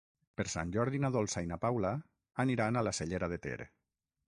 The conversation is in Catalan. Per Sant Jordi na Dolça i na Paula aniran a la Cellera de Ter.